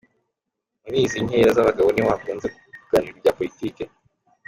Muri izi nkera z’abagabo niho hakunze kuganirirwa ibya politiki.